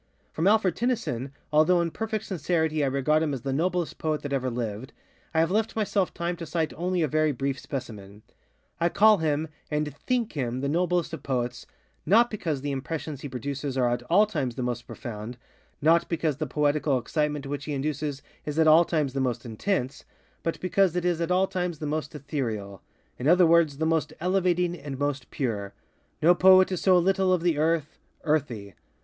From Alfred Tennyson, although in perfect sincerity I regard him as the noblest poet that ever lived, I have left myself time to cite only a very brief specimen. I call him, and _think _him the noblest of poets, _not _because the impressions he produces are at _all _times the most profoundŌĆö_not _because the poetical excitement which he induces is at _all _times the most intenseŌĆöbut because it is at all times the most etherealŌĆöin other words, the most elevating and most pure. No poet is so little of the earth, earthy.